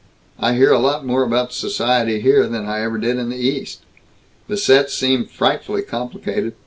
I hear a lot more about 'society' here than I ever did in the East. The sets seem frightfully complicated."